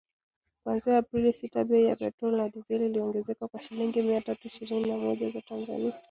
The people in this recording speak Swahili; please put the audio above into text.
kuanzia Aprili sita bei ya petroli na dizeli iliongezeka kwa shilingi mia tatu ishirini na moja za Tanzania